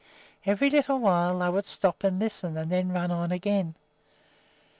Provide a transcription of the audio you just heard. Every little while they would stop and listen, and then run on again.